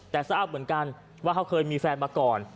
แต่ทราบเหมือนกันว่าเขาเคยมีแฟนมาก่อน